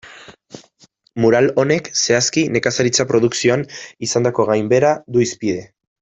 Mural honek, zehazki, nekazaritza produkzioan izandako gainbehera du hizpide.